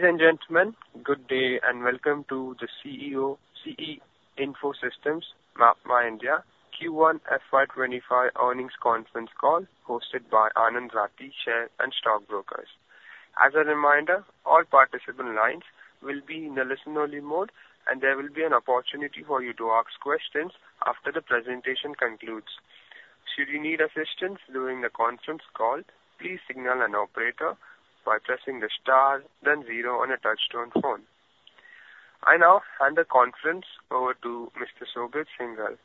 Ladies and gentlemen, good day, and welcome to the CE Infosystems MapmyIndia Q1 FY25 earnings conference call, hosted by Anand Rathi Share and Stock Brokers. As a reminder, all participants' lines will be in the listen-only mode, and there will be an opportunity for you to ask questions after the presentation concludes. Should you need assistance during the conference call, please signal an operator by pressing the star, then zero on a touchtone phone. I now hand the conference over to Mr. Shobhit Singhal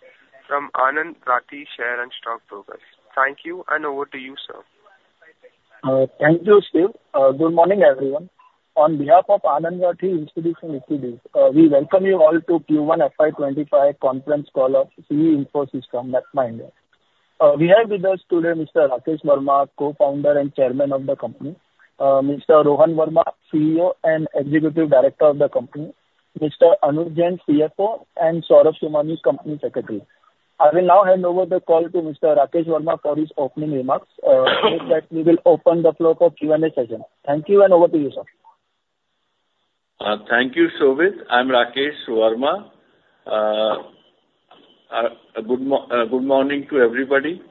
from Anand Rathi Share and Stock Brokers. Thank you, and over to you, sir. Thank you, Steve. Good morning, everyone. On behalf of Anand Rathi Institutional Equity, we welcome you all to Q1 FY25 conference call of CE Infosystems MapmyIndia. We have with us today Mr. Rakesh Verma, Co-founder and Chairman of the company, Mr. Rohan Verma, CEO and Executive Director of the company, Mr. Anuj Jain, CFO, and Saurabh Somani, Company Secretary. I will now hand over the call to Mr. Rakesh Verma for his opening remarks. After that we will open the floor for Q&A session. Thank you, and over to you, sir. Thank you, Shobhit. I'm Rakesh Verma. Good morning to everybody.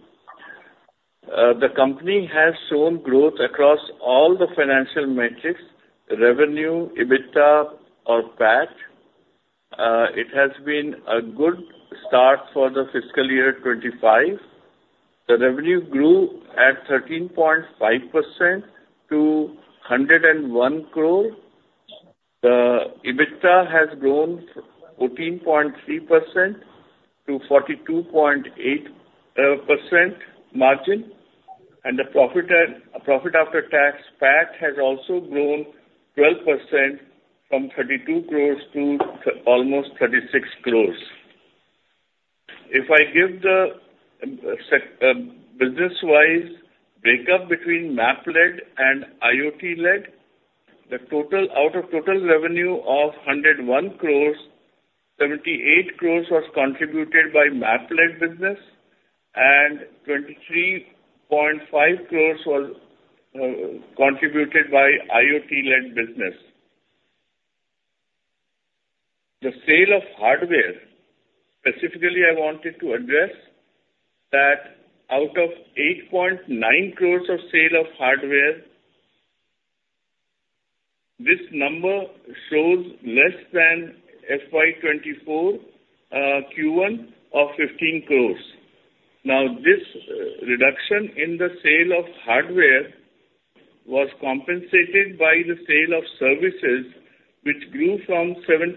The company has shown growth across all the financial metrics, revenue, EBITDA or PAT. It has been a good start for the fiscal year 2025. The revenue grew at 13.5% to 101 crore. The EBITDA has grown 14.3% to 42.8% margin, and the profit after tax, PAT, has also grown 12% from 32 crore to almost 36 crore. If I give the business-wise breakup between Map-led and IoT-led, the total, out of total revenue of 101 crore, 78 crore was contributed by Map-led business, and 23.5 crore was contributed by IoT-led business. The sale of hardware, specifically, I wanted to address that out of 8.9 crore of sale of hardware, this number shows less than FY 2024 Q1 of 15 crore. Now, this reduction in the sale of hardware was compensated by the sale of services, which grew from 7.7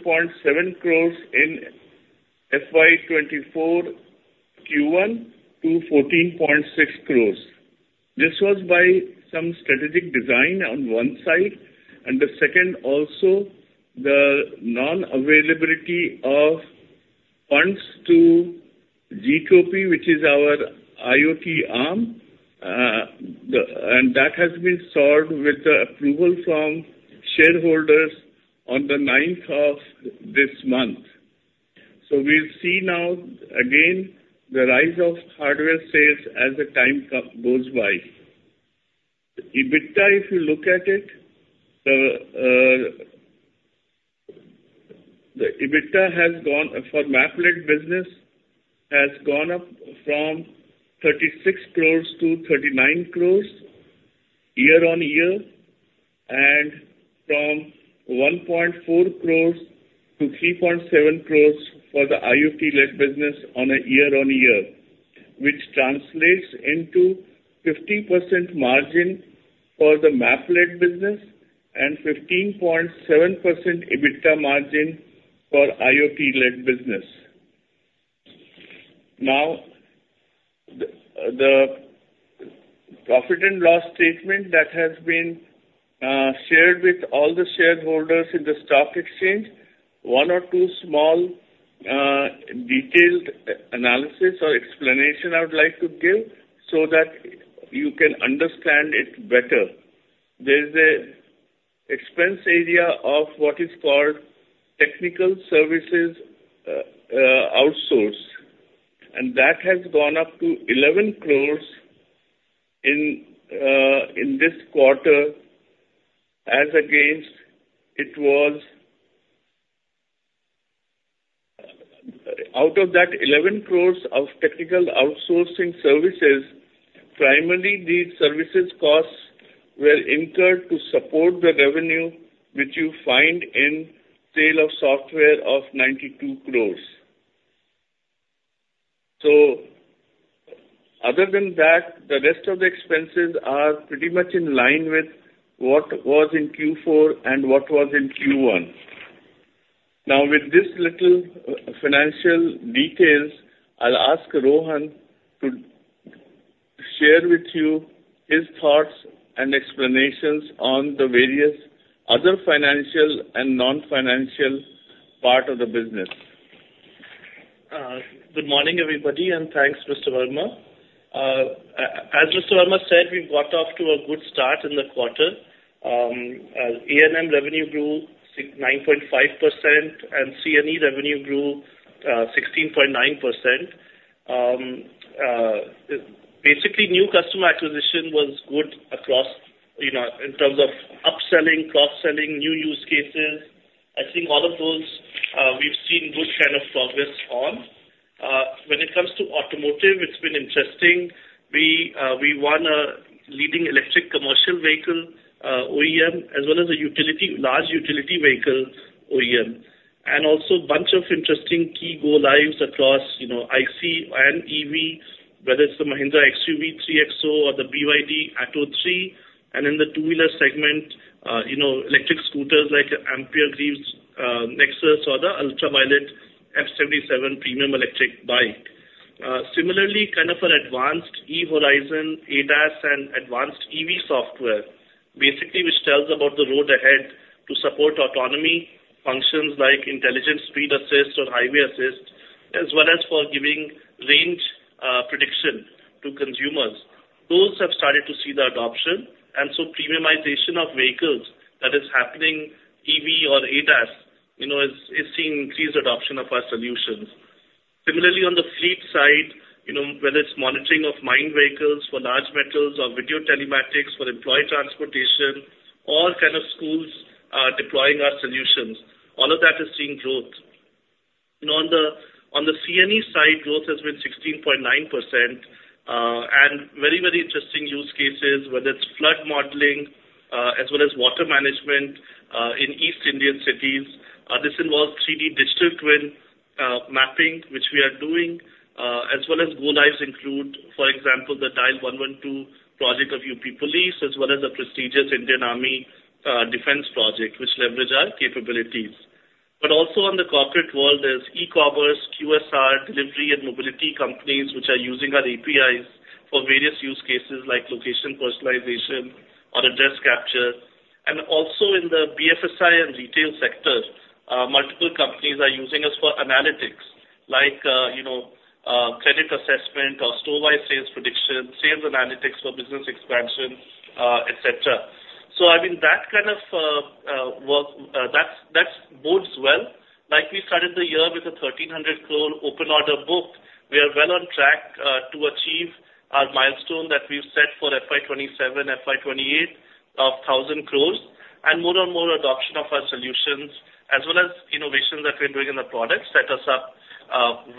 crore in FY 2024 Q1 to 14.6 crore. This was by some strategic design on one side, and the second, also, the non-availability of funds to Gtropy, which is our IoT arm. And that has been solved with the approval from shareholders on the ninth of this month. So we'll see now, again, the rise of hardware sales as time goes by. The EBITDA, if you look at it, the EBITDA has gone, for Map-led business, has gone up from 36 crores to 39 crores year-on-year, and from 1.4 crores to 3.7 crores for the IoT-led business on a year-on-year, which translates into 15% margin for the Map-led business and 15.7% EBITDA margin for IoT-led business. Now, the profit and loss statement that has been shared with all the shareholders in the stock exchange, one or two small detailed analysis or explanation I would like to give so that you can understand it better. There's an expense area of what is called technical services outsource, and that has gone up to 11 crores in this quarter as against it was... Out of that 11 crores of technical outsourcing services, primarily these services costs were incurred to support the revenue, which you find in sale of software of 92 crores. So other than that, the rest of the expenses are pretty much in line with what was in Q4 and what was in Q1. Now, with this little, financial details, I'll ask Rohan to share with you his thoughts and explanations on the various other financial and non-financial part of the business. Good morning, everybody, and thanks, Mr. Verma. As Mr. Verma said, we've got off to a good start in the quarter. A&M revenue grew 69.5%, and C&E revenue grew 16.9%. Basically, new customer acquisition was good across, you know, in terms of upselling, cross-selling, new use cases. I think all of those, we've seen good kind of progress on. When it comes to automotive, it's been interesting. We won a leading electric commercial vehicle OEM, as well as a utility, large utility vehicle OEM, and also a bunch of interesting key go lives across, you know, IC and EV, whether it's the Mahindra XUV 3XO or the BYD Atto 3, and in the two-wheeler segment, you know, electric scooters like Ampere Nexus or the Ultraviolette F77 premium electric bike. Similarly, kind of an advanced eHorizon, ADAS, and advanced EV software, basically, which tells about the road ahead to support autonomy, functions like intelligent speed assist or highway assist, as well as for giving range prediction to consumers. Those have started to see the adoption, and so premiumization of vehicles that is happening, EV or ADAS, you know, is seeing increased adoption of our solutions. Similarly, on the fleet side, you know, whether it's monitoring of mine vehicles for large metals or video telematics for employee transportation, all kind of schools are deploying our solutions. All of that is seeing growth. You know, on the, on the C&E side, growth has been 16.9%, and very, very interesting use cases, whether it's flood modeling, as well as water management, in East India cities. This involves 3D Digital Twin, mapping, which we are doing, as well as go-lives include, for example, the Dial 112 project of UP Police, as well as the prestigious Indian Army, defense project, which leverage our capabilities. But also on the corporate world, there's e-commerce, QSR, delivery and mobility companies which are using our APIs for various use cases like location personalization or address capture. Also in the BFSI and retail sector, multiple companies are using us for analytics, like, you know, credit assessment or store-wide sales prediction, sales analytics for business expansion, et cetera. So I mean, that kind of work, that's, that bodes well. Like we started the year with a 1,300 crore open order booked, we are well on track to achieve our milestone that we've set for FY 2027/FY 2028 of 1,000 crores and more and more adoption of our solutions, as well as innovations that we're doing in the products set us up,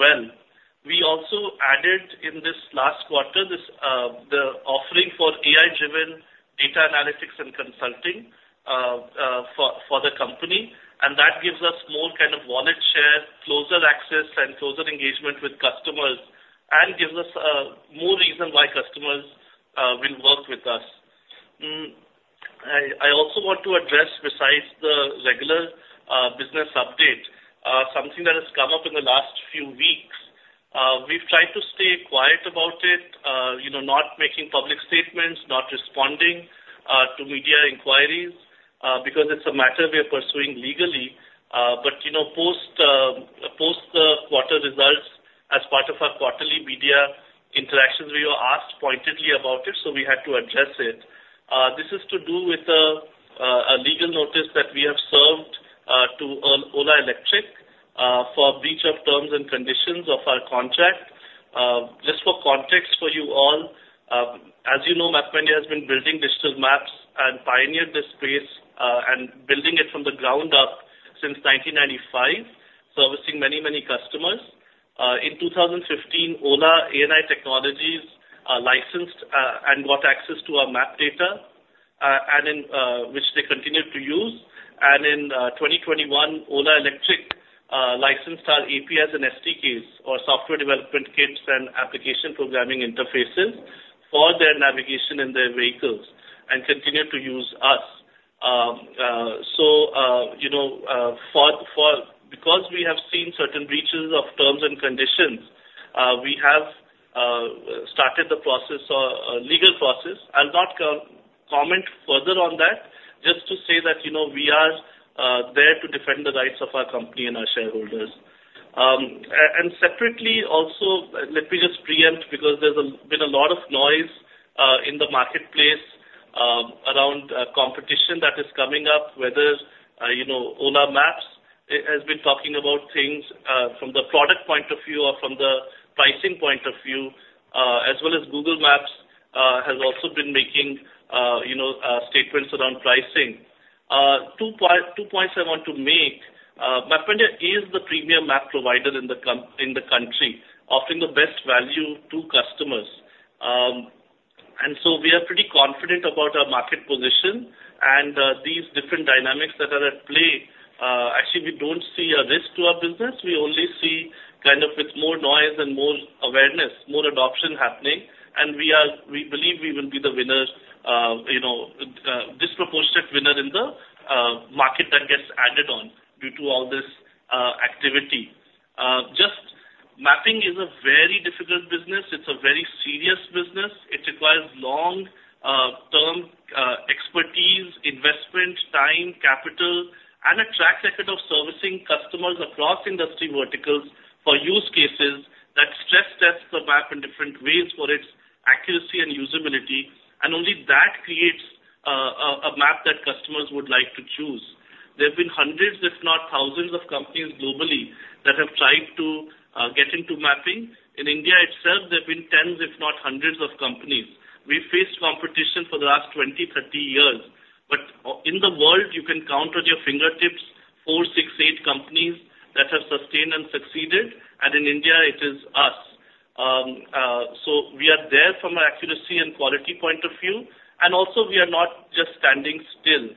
well. We also added in this last quarter this the offering for AI-driven data analytics and consulting for the company, and that gives us more kind of wallet share, closer access and closer engagement with customers, and gives us more reason why customers will work with us. I also want to address, besides the regular business update, something that has come up in the last few weeks. We've tried to stay quiet about it, you know, not making public statements, not responding to media inquiries, because it's a matter we are pursuing legally. But you know, post the quarter results as part of our quarterly media interactions, we were asked pointedly about it, so we had to address it. This is to do with a legal notice that we have served to Ola Electric for breach of terms and conditions of our contract. Just for context for you all, as you know, MapmyIndia has been building digital maps and pioneered this space, and building it from the ground up since 1995, servicing many, many customers. In 2015, Ola AI Technologies licensed and got access to our map data, and in 2021, Ola Electric licensed our APIs and SDKs, or software development kits and application programming interfaces, for their navigation in their vehicles and continue to use us. So, you know, for -- because we have seen certain breaches of terms and conditions, we have started the process or legal process. I'll not comment further on that, just to say that, you know, we are there to defend the rights of our company and our shareholders. And separately, also, let me just preempt, because there's been a lot of noise in the marketplace around competition that is coming up, whether, you know, Ola Maps has been talking about things from the product point of view or from the pricing point of view, as well as Google Maps has also been making, you know, statements around pricing. Two points I want to make. MapmyIndia is the premium map provider in the country, offering the best value to customers. And so we are pretty confident about our market position and, these different dynamics that are at play. Actually, we don't see a risk to our business. We only see kind of it's more noise and more awareness, more adoption happening, and we are, we believe we will be the winners, you know, disproportionate winner in the, market that gets added on due to all this, activity. Just mapping is a very difficult business. It's a very serious business. It requires long-term, expertise, investment, time, capital, and a track record of servicing customers across industry verticals for use cases that stress test the map in different ways for its-... accuracy and usability, and only that creates a map that customers would like to choose. There have been hundreds, if not thousands, of companies globally that have tried to get into mapping. In India itself, there have been tens, if not hundreds, of companies. We've faced competition for the last 20, 30 years. But in the world, you can count on your fingertips 4, 6, 8 companies that have sustained and succeeded, and in India, it is us. So we are there from an accuracy and quality point of view, and also we are not just standing still.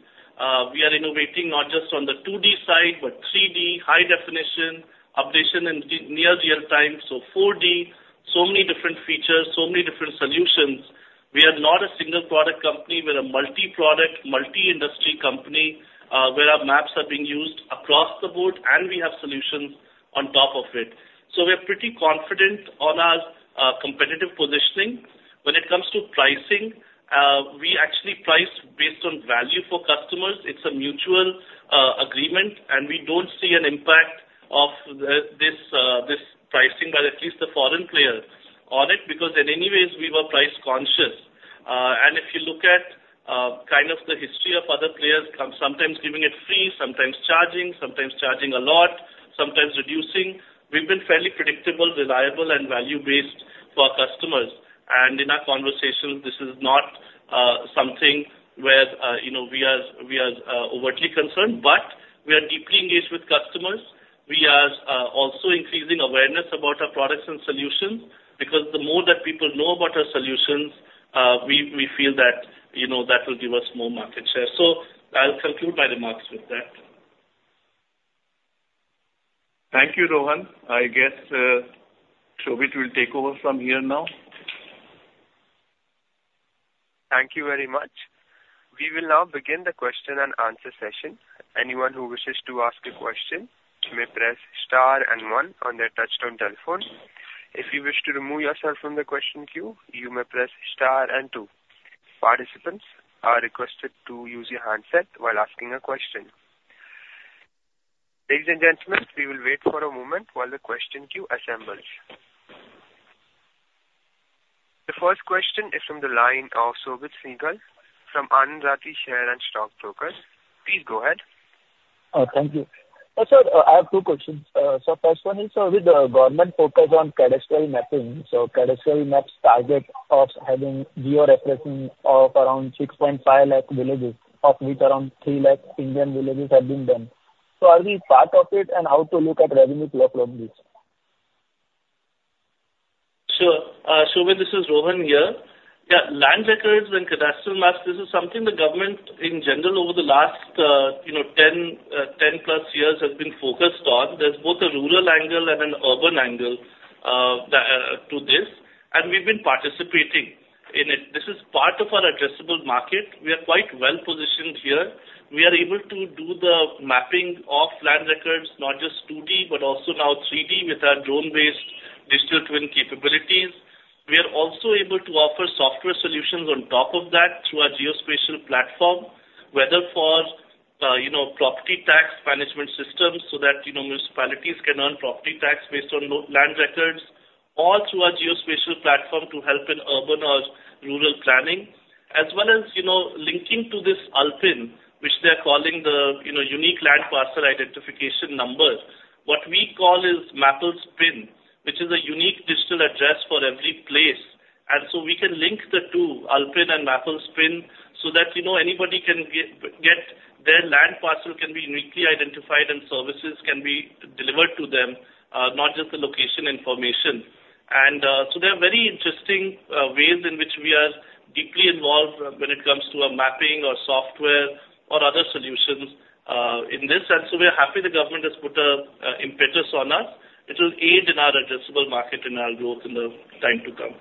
We are innovating not just on the 2D side, but 3D, high definition, updation and near real time, so 4D. So many different features, so many different solutions. We are not a single product company, we're a multi-product, multi-industry company, where our maps are being used across the board, and we have solutions on top of it. So we are pretty confident on our competitive positioning. When it comes to pricing, we actually price based on value for customers. It's a mutual agreement, and we don't see an impact of this pricing by at least the foreign players on it, because in any ways we were price conscious. And if you look at kind of the history of other players, sometimes giving it free, sometimes charging, sometimes charging a lot, sometimes reducing, we've been fairly predictable, reliable, and value-based for our customers. In our conversations, this is not something where, you know, we are, we are overtly concerned, but we are deeply engaged with customers. We are also increasing awareness about our products and solutions, because the more that people know about our solutions, we, we feel that, you know, that will give us more market share. I'll conclude my remarks with that. Thank you, Rohan. I guess, Shobhit will take over from here now. Thank you very much. We will now begin the question and answer session. Anyone who wishes to ask a question, may press star and one on their touchtone telephone. If you wish to remove yourself from the question queue, you may press star and two. Participants are requested to use your handset while asking a question. Ladies and gentlemen, we will wait for a moment while the question queue assembles. The first question is from the line of Shobhit Singhal from Anand Rathi Share and Stock Brokers. Please go ahead. Thank you. So, I have two questions. So first one is, so with the government focus on cadastral mapping, so cadastral maps target of having geo-referencing of around 6.5 lakh villages, of which around 3 lakh Indian villages have been done. So are we part of it, and how to look at revenue flow from this? Sure. Shobhit, this is Rohan here. Yeah, land records and cadastral maps, this is something the government in general over the last, you know, 10+ years, has been focused on. There's both a rural angle and an urban angle to this, and we've been participating in it. This is part of our addressable market. We are quite well positioned here. We are able to do the mapping of land records, not just 2D, but also now 3D with our drone-based digital twin capabilities. We are also able to offer software solutions on top of that through our geospatial platform, whether for, you know, property tax management systems, so that, you know, municipalities can earn property tax based on land records, or through our geospatial platform to help in urban or rural planning. As well as, you know, linking to this ULPIN, which they're calling the, you know, unique land parcel identification number. What we call is Mappls PIN, which is a unique digital address for every place. And so we can link the two, ULPIN and Mappls PIN, so that, you know, anybody can get their land parcel can be uniquely identified and services can be delivered to them, not just the location information. And so there are very interesting ways in which we are deeply involved when it comes to our mapping or software or other solutions in this. And so we are happy the government has put a impetus on us, which will aid in our addressable market and our growth in the time to come.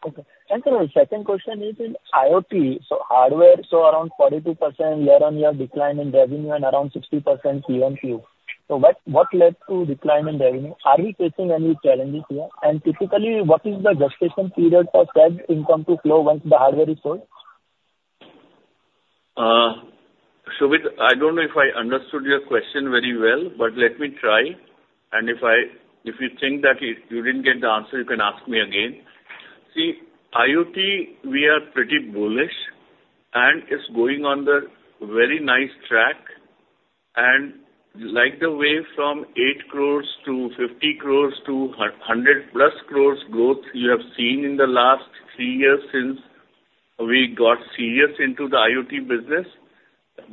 Okay. And then the second question is in IoT. So hardware, so around 42% year-over-year decline in revenue and around 60% QOQ. So what, what led to decline in revenue? Are we facing any challenges here? And typically, what is the gestation period for said income to flow once the hardware is sold? Shobhit, I don't know if I understood your question very well, but let me try. If you think that you didn't get the answer, you can ask me again. See, IoT, we are pretty bullish, and it's going on the very nice track. Like the way from 8 crore to 50 crore to 100+ crore growth you have seen in the last three years since we got serious into the IoT business,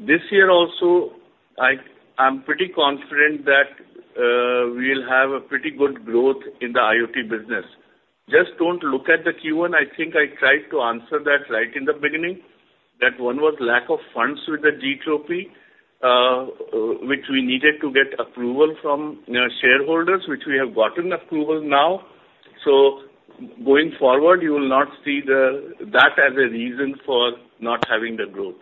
this year also, I'm pretty confident that we'll have a pretty good growth in the IoT business. Just don't look at the Q1. I think I tried to answer that right in the beginning, that one was lack of funds with the Gtropy, which we needed to get approval from shareholders, which we have gotten approval now. So going forward, you will not see the, that as a reason for not having the growth.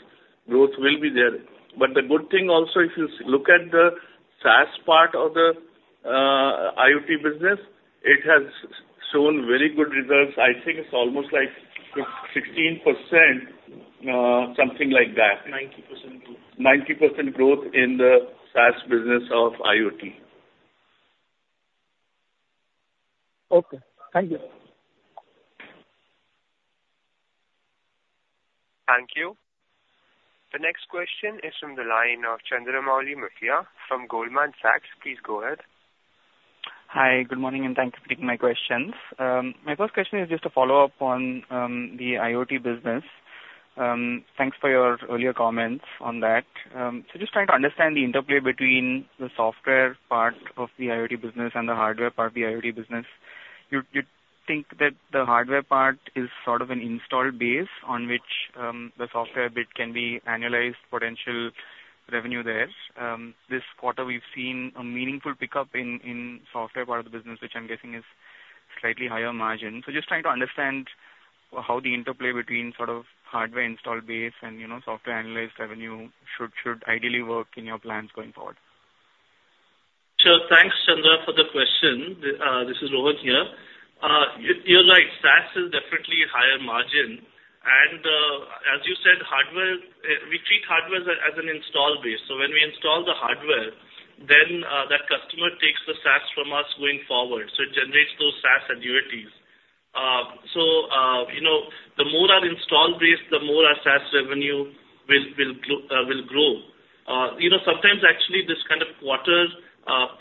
Growth will be there. But the good thing also, if you look at the SaaS part of the IoT business, it has shown very good results. I think it's almost like 16%, something like that. 90% growth in the SaaS business of IoT. Okay, thank you. Thank you. The next question is from the line of Chandramouli Muthiah from Goldman Sachs. Please go ahead. Hi, good morning, and thanks for taking my questions. My first question is just a follow-up on the IoT business. Thanks for your earlier comments on that. So just trying to understand the interplay between the software part of the IoT business and the hardware part of the IoT business. You think that the hardware part is sort of an installed base on which the software bit can be annualized potential revenue there? This quarter we've seen a meaningful pickup in the software part of the business, which I'm guessing is slightly higher margin. So just trying to understand how the interplay between sort of hardware installed base and, you know, software annualized revenue should ideally work in your plans going forward. Sure. Thanks, Chandra, for the question. This is Rohan here. You, you're right, SaaS is definitely higher margin, and, as you said, hardware, we treat hardware as an install base. So when we install the hardware, then, that customer takes the SaaS from us going forward, so it generates those SaaS annuities. So, you know, the more our install base, the more our SaaS revenue will grow. You know, sometimes actually this kind of quarter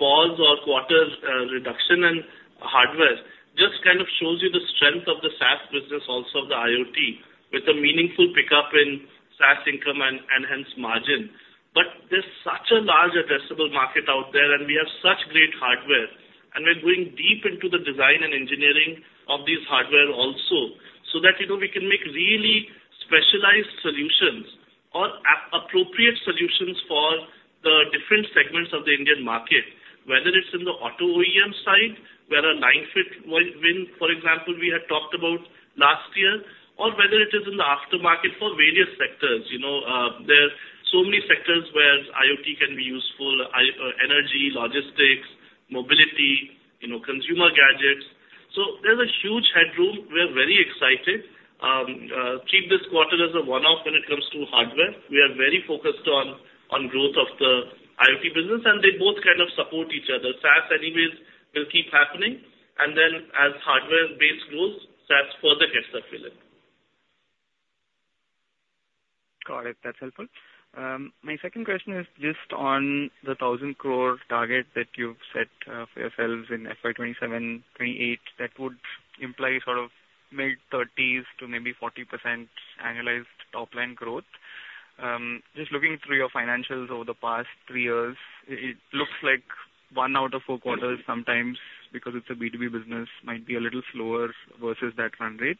pause or quarter reduction in hardware just kind of shows you the strength of the SaaS business, also of the IoT, with a meaningful pickup in SaaS income and hence margin. But there's such a large addressable market out there, and we have such great hardware, and we're going deep into the design and engineering of this hardware also, so that, you know, we can make really specialized solutions or app-appropriate solutions for the different segments of the Indian market, whether it's in the auto OEM side, where a line fit win, for example, we had talked about last year, or whether it is in the aftermarket for various sectors. You know, there are so many sectors where IoT can be useful, energy, logistics, mobility, you know, consumer gadgets. So there's a huge headroom. We are very excited. Keep this quarter as a one-off when it comes to hardware. We are very focused on growth of the IoT business, and they both kind of support each other. SaaS anyways, will keep happening, and then as hardware base grows, SaaS further gets that fill in. Got it. That's helpful. My second question is just on the 1,000 crore target that you've set for yourselves in FY 2027-28. That would imply sort of mid-30s to maybe 40% annualized top line growth. Just looking through your financials over the past 3 years, it looks like 1 out of 4 quarters, sometimes because it's a B2B business, might be a little slower versus that run rate.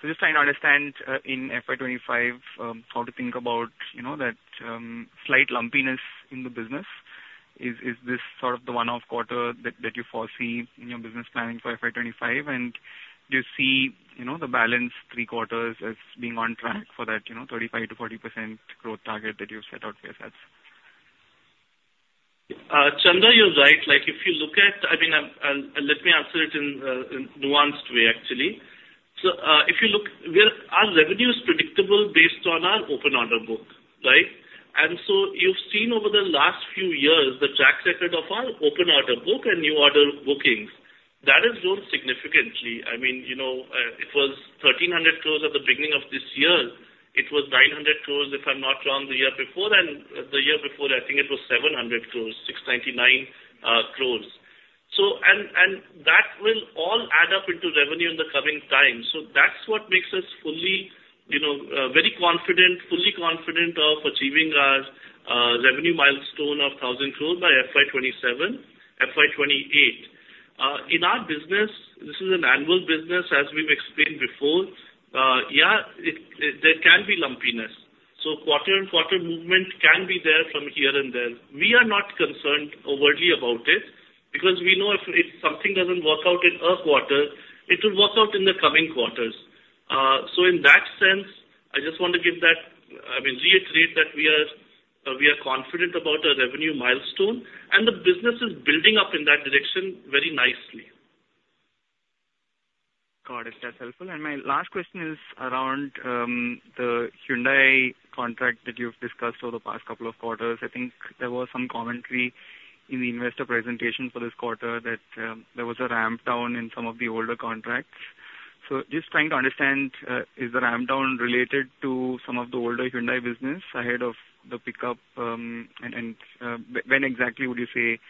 So just trying to understand, in FY 2025, how to think about, you know, that, slight lumpiness in the business. Is this sort of the one-off quarter that you foresee in your business planning for FY 2025? And do you see, you know, the balance 3 quarters as being on track for that, you know, 35%-40% growth target that you've set out for yourselves? Chandra, you're right. Like, if you look at... I mean, let me answer it in a nuanced way, actually. So, if you look, we're our revenue is predictable based on our open order book, right? And so you've seen over the last few years, the track record of our open order book and new order bookings. That has grown significantly. I mean, you know, it was 1,300 crore at the beginning of this year. It was 900 crore, if I'm not wrong, the year before, and the year before, I think it was 700 crore, 699 crore. So, and, and that will all add up into revenue in the coming time. So that's what makes us fully, you know, very confident, fully confident of achieving our revenue milestone of 1,000 crore by FY 2027, FY 2028. In our business, this is an annual business, as we've explained before. Yeah, it, there can be lumpiness, so quarter and quarter movement can be there from here and there. We are not concerned overly about it, because we know if something doesn't work out in a quarter, it will work out in the coming quarters. So in that sense, I just want to give that, I mean, reiterate that we are, we are confident about our revenue milestone, and the business is building up in that direction very nicely. Got it. That's helpful. And my last question is around the Hyundai contract that you've discussed over the past couple of quarters. I think there was some commentary in the investor presentation for this quarter that there was a ramp down in some of the older contracts. So just trying to understand, is the ramp down related to some of the older Hyundai business ahead of the pickup? And when exactly would you say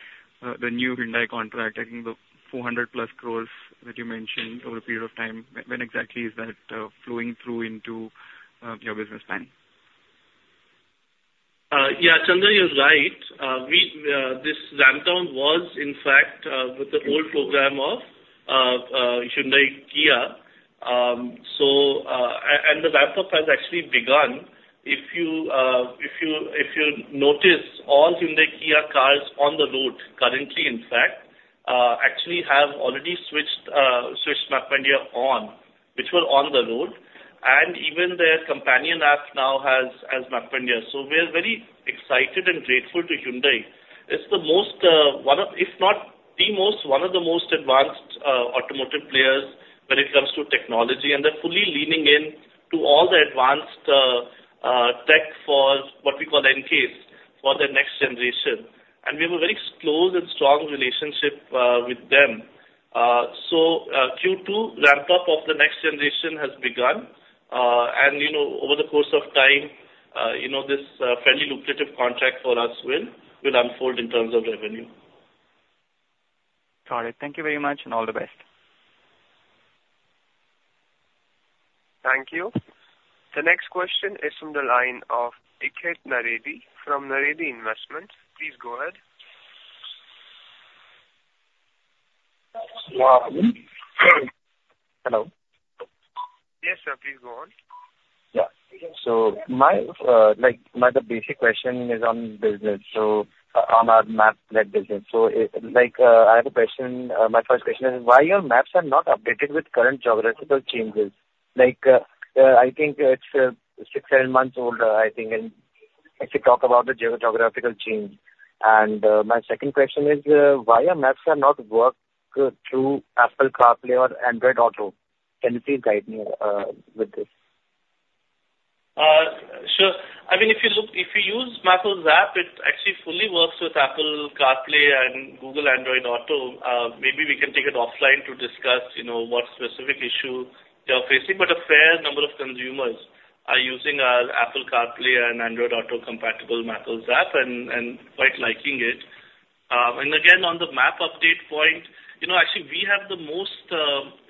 the new Hyundai contract, I think the 400+ crore that you mentioned over a period of time, when exactly is that flowing through into your business planning? Yeah, Chandra, you're right. We, this ramp down was in fact, with the old program of, Hyundai Kia. So, and the ramp up has actually begun. If you notice all Hyundai Kia cars on the road currently, in fact, actually have already switched MapmyIndia on, which were on the road, and even their companion app now has MapmyIndia. So we are very excited and grateful to Hyundai. It's the most, one of... if not... the most, one of the most advanced automotive players when it comes to technology, and they're fully leaning in to all the advanced tech for what we call N-CASE for the next generation. And we have a very close and strong relationship with them. So, Q2 ramp-up of the next generation has begun. And, you know, over the course of time, you know, this, fairly lucrative contract for us will, will unfold in terms of revenue. Got it. Thank you very much, and all the best. Thank you. The next question is from the line of Ikshit Naredi from Naredi Investments. Please go ahead. Um, hello? Yes, sir, please go on. Yeah. So my, like, my basic question is on business, so on our Map-led, like, business. So, like, I have a question. My first question is: Why your maps are not updated with current geographical changes? Like, I think it's 6-7 months older, I think, and if you talk about the geographical change. And, my second question is, why your maps are not work through Apple CarPlay or Android Auto? Can you please guide me with this? Sure. I mean, if you use Mappls app, it actually fully works with Apple CarPlay and Google Android Auto. Maybe we can take it offline to discuss, you know, what specific issue you are facing, but a fair number of consumers are using Apple CarPlay and Android Auto compatible Mappls app and quite liking it. And again, on the map update point, you know, actually, we have the most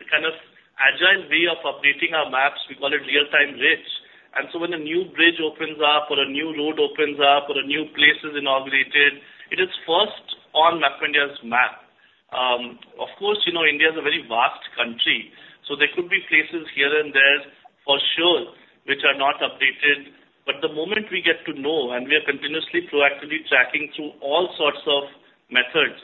kind of agile way of updating our maps. We call it real-time rich. And so when a new bridge opens up, or a new road opens up, or a new place is inaugurated, it is first on MapmyIndia's map. Of course, you know, India is a very vast country, so there could be places here and there, for sure, which are not updated. But the moment we get to know, and we are continuously proactively tracking through all sorts of methods,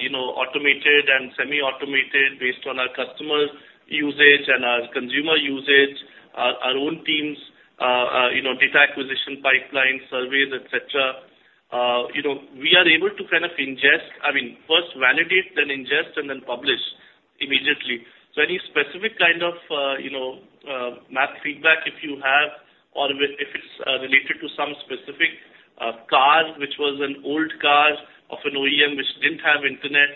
you know, automated and semi-automated, based on our customer usage and our consumer usage, our own teams', you know, data acquisition, pipeline surveys, et cetera, you know, we are able to kind of ingest, I mean, first validate, then ingest, and then publish immediately. So any specific kind of, you know, map feedback, if you have, or if it's related to some specific car, which was an old car of an OEM, which didn't have internet,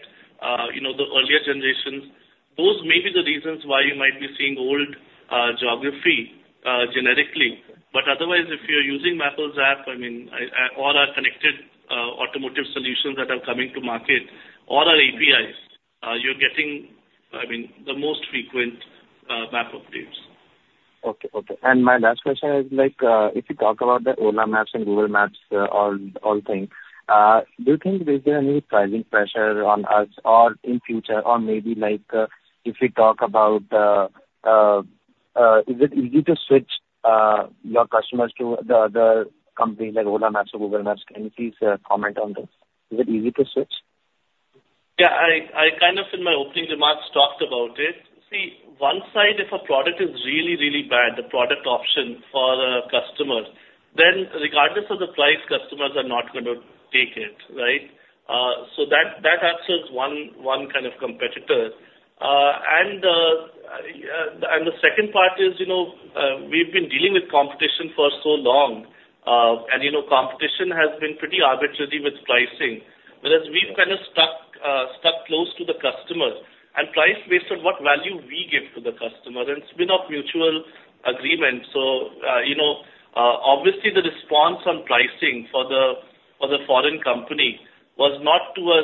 you know, the earlier generations, those may be the reasons why you might be seeing old geography generically. But otherwise, if you're using Mappls app, I mean, or our connected automotive solutions that are coming to market or our APIs, you're getting, I mean, the most frequent map updates. Okay. Okay. And my last question is, like, if you talk about the Ola Maps and Google Maps, all things, do you think there's any pricing pressure on us or in future or maybe like, if we talk about, is it easy to switch your customers to the company, like Ola Maps or Google Maps? Can you please comment on this? Is it easy to switch? Yeah, I kind of in my opening remarks, talked about it. See, one side, if a product is really, really bad, the product option for the customers, then regardless of the price, customers are not going to take it, right? So that answers one kind of competitor. And the second part is, you know, we've been dealing with competition for so long. And, you know, competition has been pretty arbitrary with pricing. But as we've kind of stuck close to the customer and price based on what value we give to the customer, and it's been of mutual agreement. So, you know, obviously the response on pricing for the foreign company was not to a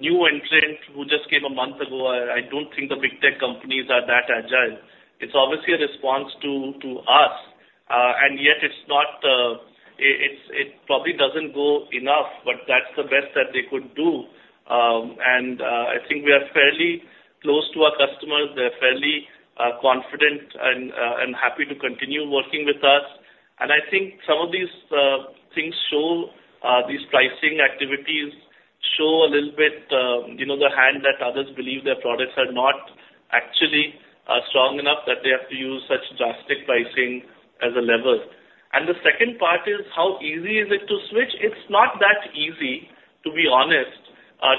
new entrant who just came a month ago. I don't think the big tech companies are that agile. It's obviously a response to us, and yet it's not, it probably doesn't go enough, but that's the best that they could do. And I think we are fairly close to our customers. They're fairly confident and happy to continue working with us. And I think some of these things show these pricing activities show a little bit, you know, the hand that others believe their products are not actually strong enough that they have to use such drastic pricing as a lever. And the second part is, how easy is it to switch? It's not that easy, to be honest,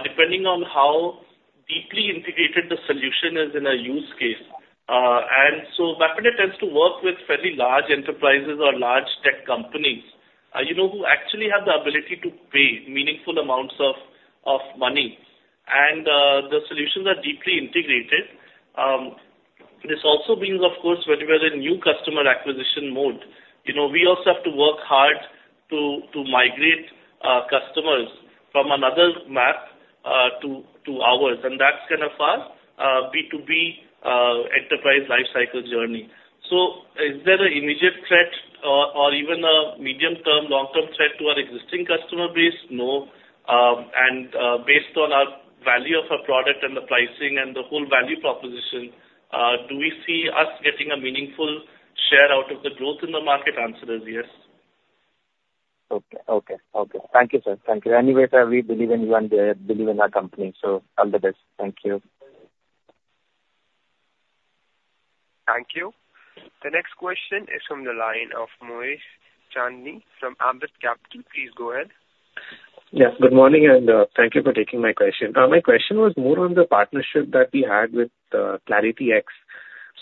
depending on how deeply integrated the solution is in a use case. And so MapmyIndia tends to work with fairly large enterprises or large tech companies, you know, who actually have the ability to pay meaningful amounts of, of money. The solutions are deeply integrated. This also means, of course, when you are in new customer acquisition mode, you know, we also have to work hard to, to migrate, customers from another map, to, to ours, and that's kind of our, B2B, enterprise life cycle journey. So is there an immediate threat or, or even a medium-term, long-term threat to our existing customer base? No. Based on our value of our product and the pricing and the whole value proposition, do we see us getting a meaningful share out of the growth in the market? Answer is yes. Okay. Okay. Okay. Thank you, sir. Thank you. Anyways, sir, we believe in you and believe in our company, so all the best. Thank you. Thank you. The next question is from the line of Moez Chandani from Ambit Capital. Please go ahead. Yeah, good morning, and thank you for taking my question. My question was more on the partnership that we had with ClarityX.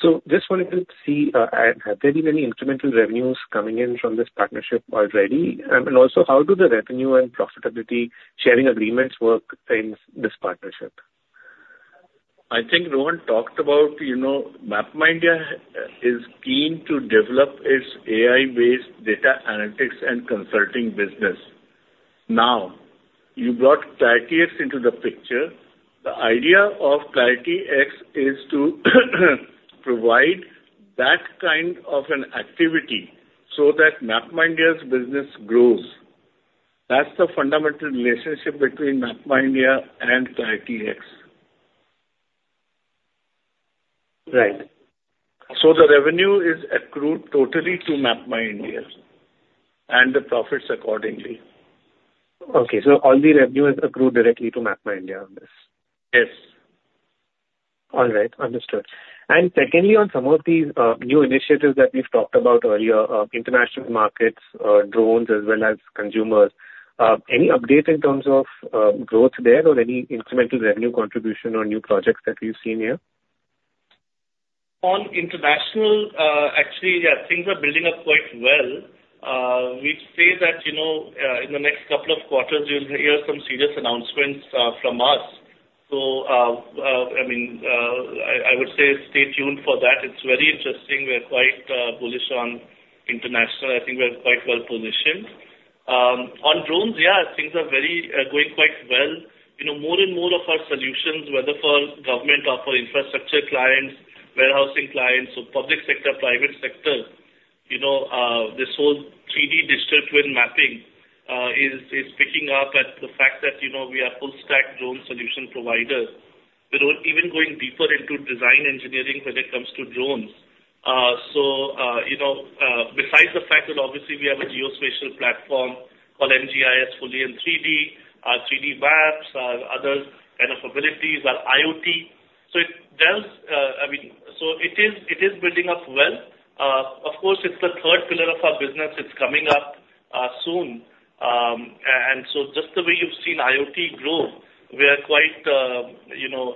So just wanted to see, have there been any incremental revenues coming in from this partnership already? And then also, how do the revenue and profitability sharing agreements work in this partnership? I think Rohan talked about, you know, MapmyIndia is keen to develop its AI-based data analytics and consulting business. Now, you brought ClarityX into the picture. The idea of ClarityX is to provide that kind of an activity so that MapmyIndia's business grows. That's the fundamental relationship between MapmyIndia and ClarityX. Right. The revenue is accrued totally to MapmyIndia, and the profits accordingly. Okay. So all the revenue is accrued directly to MapmyIndia on this? Yes. All right. Understood. And secondly, on some of these new initiatives that we've talked about earlier, international markets, drones, as well as consumers, any updates in terms of growth there or any incremental revenue contribution or new projects that we've seen here? On international, actually, yeah, things are building up quite well. We'd say that, you know, in the next couple of quarters, you'll hear some serious announcements from us. So, I mean, I would say stay tuned for that. It's very interesting. We're quite bullish on international. I think we're quite well positioned. On drones, yeah, things are very going quite well. You know, more and more of our solutions, whether for government or for infrastructure clients, warehousing clients or public sector, private sector, you know, this whole 3D digital twin mapping is picking up. And the fact that, you know, we are full stack drone solution provider. We're even going deeper into design engineering when it comes to drones. So, you know, besides the fact that obviously we have a geospatial platform called NGIS, fully in 3D, 3D maps, other kind of abilities, our IoT. So it does, I mean, so it is, it is building up well. Of course, it's the third pillar of our business. It's coming up soon. And so just the way you've seen IoT grow, we are quite, you know,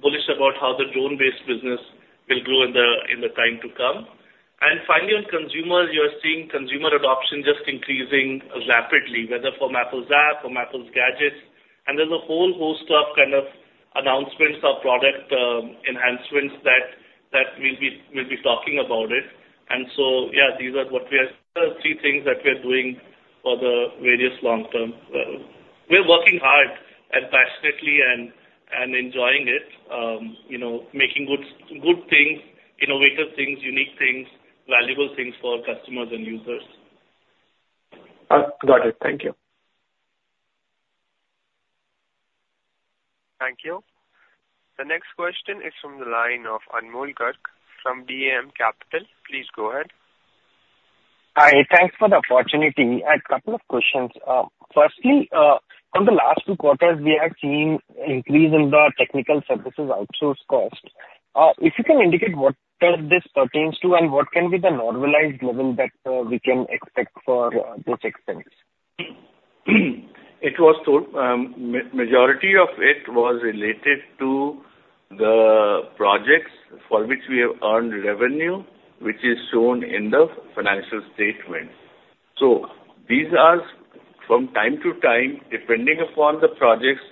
bullish about how the drone-based business will grow in the time to come. And finally, on consumer, you're seeing consumer adoption just increasing rapidly, whether for Mappls app or Mappls gadgets, and there's a whole host of kind of announcements or product enhancements that we'll be talking about it. And so, yeah, these are what we are, three things that we are doing for the various long-term. We're working hard and passionately and enjoying it. You know, making good things, innovative things, unique things, valuable things for customers and users. Got it. Thank you. Thank you. The next question is from the line of Anmol Garg from DAM Capital. Please go ahead. Hi, thanks for the opportunity. I had a couple of questions. Firstly, from the last two quarters, we are seeing increase in the technical services outsource cost. If you can indicate what this pertains to, and what can be the normalized level that we can expect for this expense? It was so, majority of it was related to the projects for which we have earned revenue, which is shown in the financial statement. So these are from time to time, depending upon the projects,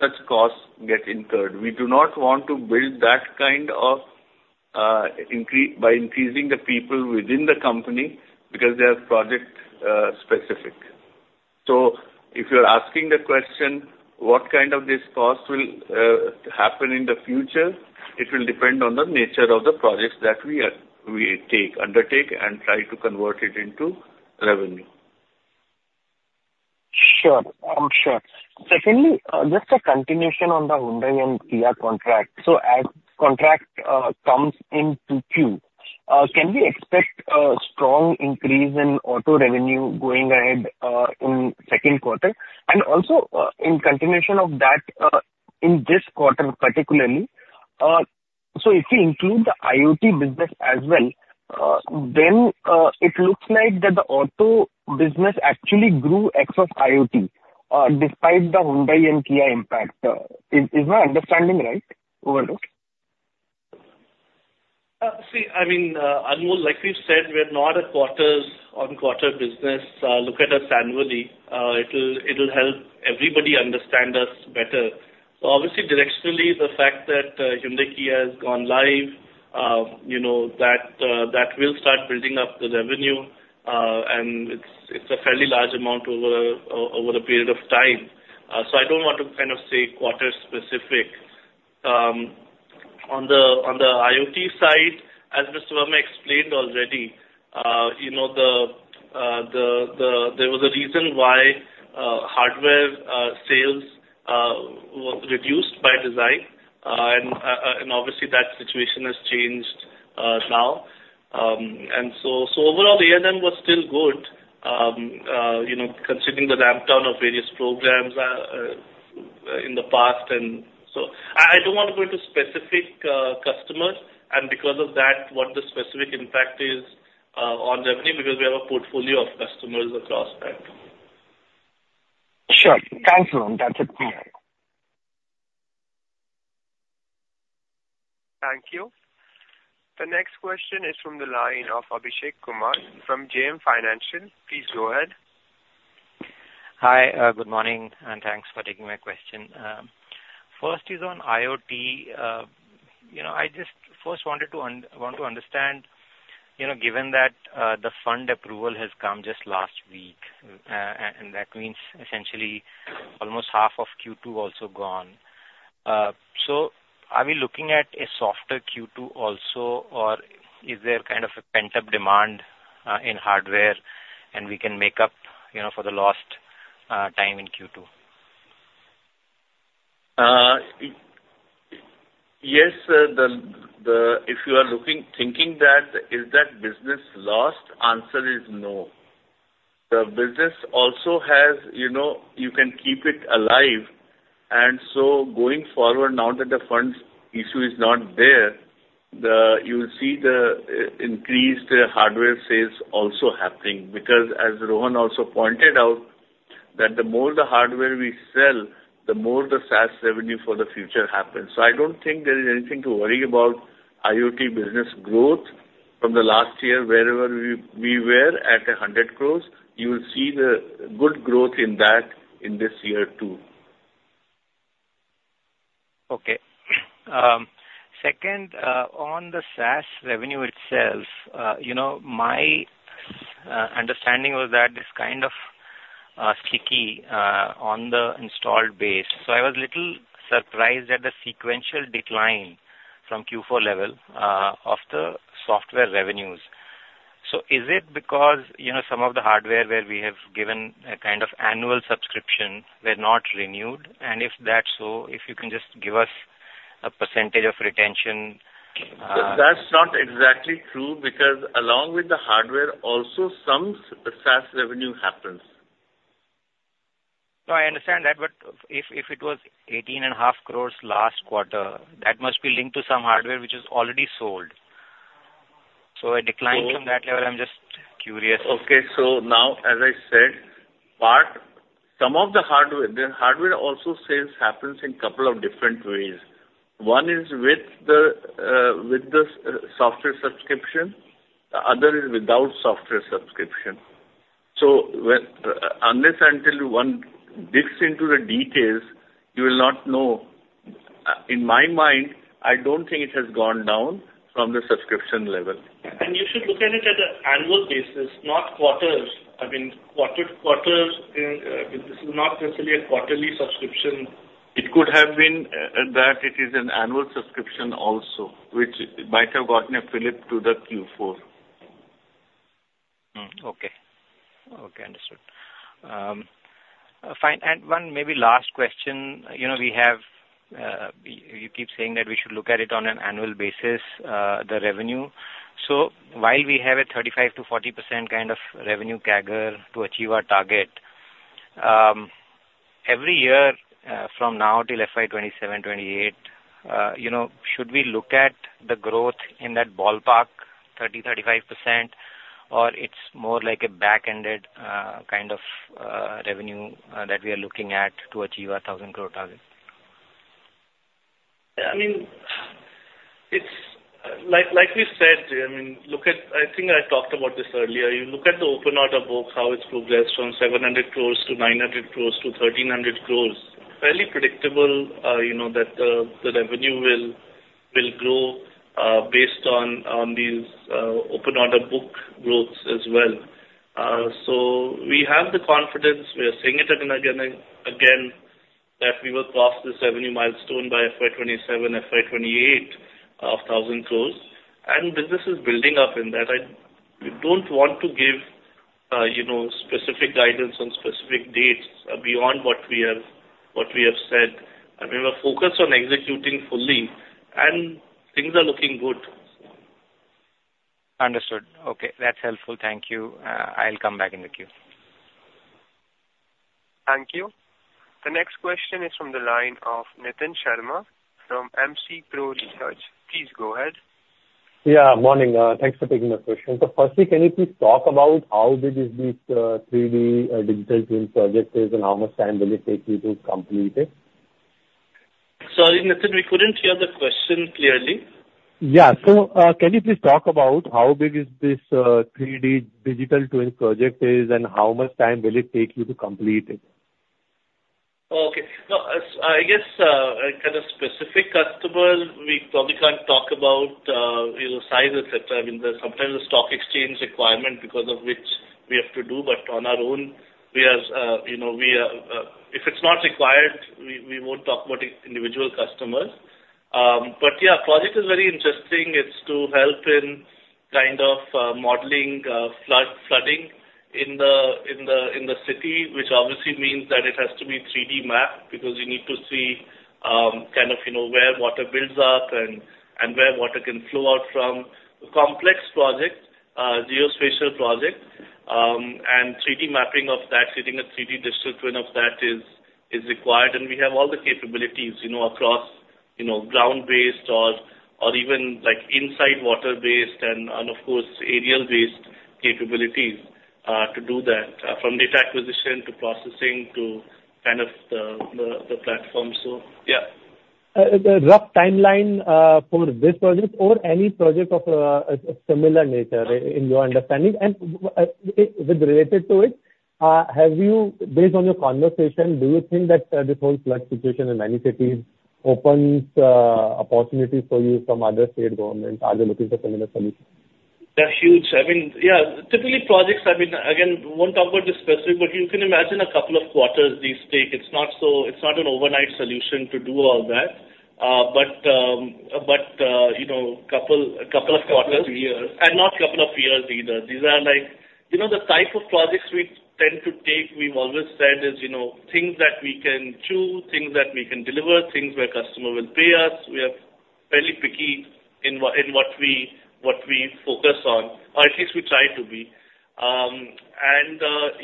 such costs get incurred. We do not want to build that kind of, by increasing the people within the company, because they are project specific. So if you're asking the question, what kind of this cost will happen in the future? It will depend on the nature of the projects that we take, undertake and try to convert it into revenue. Sure. I'm sure. Secondly, just a continuation on the Hyundai and Kia contract. So as contract comes into queue, can we expect a strong increase in auto revenue going ahead, in second quarter? And also, in continuation of that, in this quarter particularly, so if you include the IoT business as well, then, it looks like that the auto business actually grew ex of IoT, despite the Hyundai and Kia impact. Is my understanding right, overall? See, I mean, Anmol, like we've said, we're not a quarter-on-quarter business. Look at us annually. It'll, it'll help everybody understand us better. So obviously, directionally, the fact that Hyundai, Kia has gone live, you know, that, that will start building up the revenue, and it's, it's a fairly large amount over a period of time. So I don't want to kind of say quarter-specific. On the IoT side, as Mr. Verma explained already, you know, the, the, there was a reason why hardware sales were reduced by design. And, and obviously that situation has changed now. And so, so overall, the ANM was still good. You know, considering the ramp down of various programs. And so I don't want to go into specific customers, and because of that, what the specific impact is on revenue, because we have a portfolio of customers across that. Sure. Thanks, Rohan. That's it for me. Thank you. The next question is from the line of Abhishek Kumar from JM Financial. Please go ahead. Hi, good morning, and thanks for taking my question. First is on IoT. You know, I just first wanted to understand, you know, given that the fund approval has come just last week, and that means essentially almost half of Q2 also gone. So are we looking at a softer Q2 also, or is there kind of a pent-up demand in hardware, and we can make up, you know, for the lost time in Q2? Yes, if you are looking, thinking that, is that business lost? Answer is no. The business also has, you know, you can keep it alive, and so going forward, now that the funds issue is not there, you will see the increased hardware sales also happening. Because as Rohan also pointed out, that the more the hardware we sell, the more the SaaS revenue for the future happens. So I don't think there is anything to worry about IoT business growth from the last year, wherever we were at 100 crore, you will see the good growth in that in this year, too. Okay. Second, on the SaaS revenue itself, you know, my understanding was that it's kind of sticky on the installed base. So I was a little surprised at the sequential decline from Q4 level of the software revenues. So is it because, you know, some of the hardware where we have given a kind of annual subscription were not renewed? And if that's so, if you can just give us a percentage of retention? That's not exactly true, because along with the hardware, also some SaaS revenue happens. No, I understand that, but if, if it was 18.5 crore last quarter, that must be linked to some hardware which is already sold. So a decline from that level, I'm just curious. Okay, so now, as I said, part, some of the hardware... The hardware also sales happens in couple of different ways. One is with the, with the, software subscription, the other is without software subscription. So when, unless until one digs into the details, you will not know. In my mind, I don't think it has gone down from the subscription level. You should look at it at an annual basis, not quarters. I mean, this is not necessarily a quarterly subscription. It could have been, that it is an annual subscription also, which might have gotten a fillip to the Q4. Okay. Okay, understood. Fine, and one maybe last question. You know, we have, you keep saying that we should look at it on an annual basis, the revenue. So while we have a 35%-40% kind of revenue CAGR to achieve our target, every year, from now till FY 2027, 2028, you know, should we look at the growth in that ballpark, 30, 35%, or it's more like a back-ended, kind of, revenue, that we are looking at to achieve our 1,000 crore target? I mean, it's like we said, I mean, look at... I think I talked about this earlier. You look at the open order book, how it's progressed from 700 crores to 900 crores to 1,300 crores. Fairly predictable, you know, that the revenue will grow based on these open order book growths as well. So we have the confidence, we are saying it again, again, and again, that we will cross this revenue milestone by FY 2027, FY 2028, of 1,000 crores, and business is building up in that. We don't want to give, you know, specific guidance on specific dates beyond what we have said. We were focused on executing fully, and things are looking good. Understood. Okay, that's helpful. Thank you. I'll come back in the queue. Thank you. The next question is from the line of Nitin Sharma from MC Pro Research. Please go ahead. Yeah, morning. Thanks for taking my question. So firstly, can you please talk about how big is this 3D Digital Twin project is, and how much time will it take you to complete it? Sorry, Nitin, we couldn't hear the question clearly. Yeah. So, can you please talk about how big is this 3D Digital Twin project is, and how much time will it take you to complete it? Oh, okay. No, as I guess, kind of specific customer, we probably can't talk about, you know, size, et cetera. I mean, there's sometimes a stock exchange requirement because of which we have to do, but on our own, we are, you know, we are... If it's not required, we won't talk about individual customers. But yeah, project is very interesting. It's to help in kind of modeling flooding in the city, which obviously means that it has to be 3D map, because you need to see, kind of, you know, where water builds up and where water can flow out from. Complex project, geospatial project. and 3D mapping of that, getting a 3D digital twin of that is required, and we have all the capabilities, you know, across, you know, ground-based or, or even, like, inside water-based and, and of course, aerial-based capabilities, to do that, from data acquisition to processing to kind of the, the, the platform. So yeah. The rough timeline for this project or any project of a similar nature in your understanding, and with related to it, have you based on your conversation, do you think that this whole flood situation in many cities opens opportunities for you from other state governments are looking for similar solutions? They're huge. I mean, yeah, typically projects. I mean, again, won't talk about this specific, but you can imagine a couple of quarters these take. It's not an overnight solution to do all that. But you know, couple of quarters. Couple of years. And not a couple of years either. These are like, you know, the type of projects we tend to take, we've always said is, you know, things that we can chew, things that we can deliver, things where customer will pay us. We are fairly picky in what we focus on, or at least we try to be.